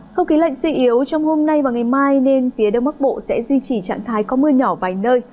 không khí lạnh suy yếu trong hôm nay và ngày mai nên phía đông bắc bộ sẽ duy trì trạng thái có mưa nhỏ vài nơi